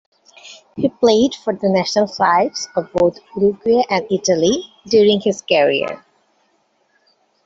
He played for the national sides of both Uruguay and Italy during his career.